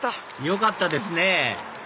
よかったですね